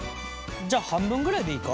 じゃあ半分ぐらいでいいか？